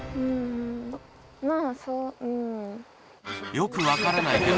よく分からないけど